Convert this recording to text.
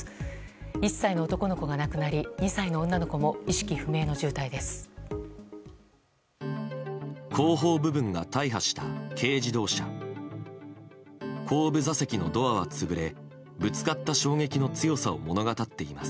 １歳の男の子が亡くなり２歳の女の子も意識不明の重体です。